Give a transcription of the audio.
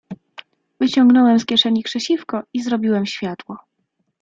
"Wyciągnąłem z kieszeni krzesiwko i zrobiłem światło."